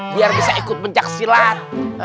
biar bisa ikut mencak silat